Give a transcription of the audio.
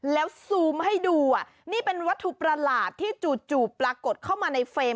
แล้วซูมให้ดูนี่เป็นวัตถุประหลาดที่จู่ปรากฏเข้ามาในเฟรม